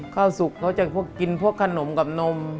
สุกเขาจะกินพวกขนมกับนม